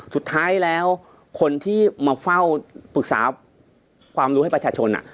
สุดท้ายแล้วคนที่มาเฝ้าปรึกษาความรู้ให้ประชาชน